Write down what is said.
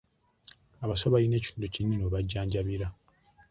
Abasawo baalina ekitundu kinene we bajjanjabira.